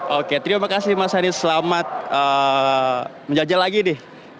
oke terima kasih mas hadi selamat menjajah lagi nih